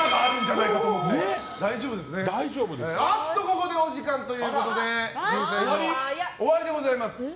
ここでお時間ということで終わりでございます。